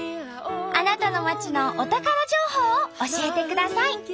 あなたの町のお宝情報を教えてください。